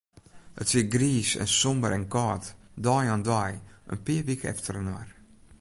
It wie griis en somber en kâld, dei oan dei, in pear wike efterinoar.